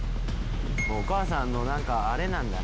「お母さんのなんかあれなんだね」